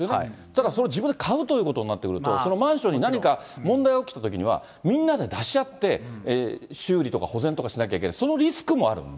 だから、それで自分で買うということになってくると、そのマンションに何か問題が起きたときには、みんなで出し合って、修理とか保全とかしなきゃいけない、そのリスクもあるんで。